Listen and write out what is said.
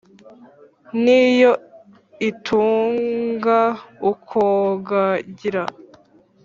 ni yo itunga ukogagira.